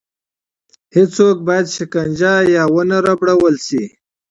هېڅوک باید شکنجه یا ونه ربړول شي.